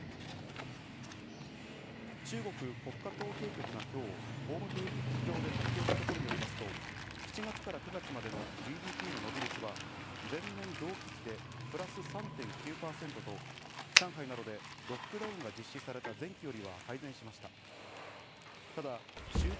中国国家統計局が今日ホームページ上で発表したところによりますと、７月から９月までのＧＤＰの伸び率が前年同期比でプラス３．９％と、上海などでロックダウンが実施された前期よりは改善しました。